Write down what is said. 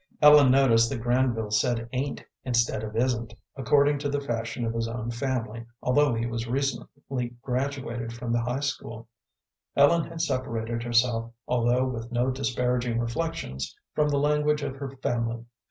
Ellen noticed that Granville said "ain't" instead of "isn't," according to the fashion of his own family, although he was recently graduated from the high school. Ellen had separated herself, although with no disparaging reflections, from the language of her family.